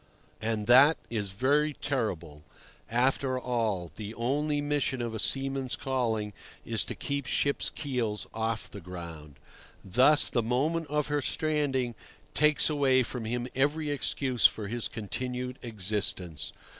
And that is very terrible. After all, the only mission of a seaman's calling is to keep ships' keels off the ground. Thus the moment of her stranding takes away from him every excuse for his continued existence.